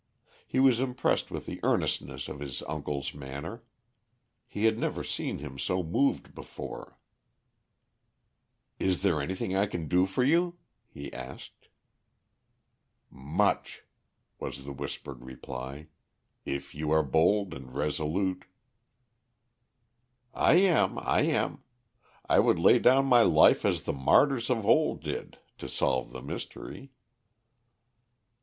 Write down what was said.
He was impressed with the earnestness of his uncle's manner. He had never seen him so moved before. "Is there anything I can do for you?" he asked. "Much," was the whispered reply. "If you are bold and resolute." "I am, I am. I would lay down my life as the martyrs of old did to solve the mystery."